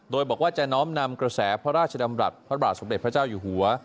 โดยบอกว่าจะน้อมนำกระแสพระราชดำรัฐพระบาทสมเด็จพระเจ้าอยู่หัว